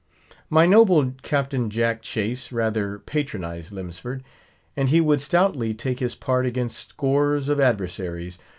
My noble captain, Jack Chase, rather patronised Lemsford, and he would stoutly take his part against scores of adversaries.